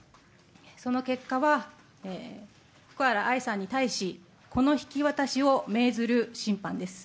その結果は、福原愛さんに対し、子の引き渡しを命ずる審判です。